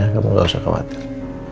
ya kamu nggak usah khawatir